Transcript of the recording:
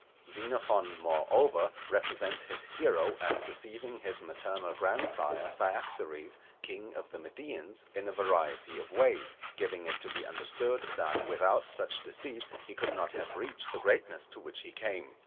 Xenophon, moreover, represents his hero as deceiving his maternal grandsire Cyaxares, king of the Medians, in a variety of ways; giving it to be understood that without such deceit he could not have reached the greatness to which he came.